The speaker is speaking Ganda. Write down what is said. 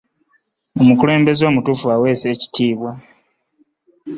omukulembeze omulungi ewesa ekitiibwa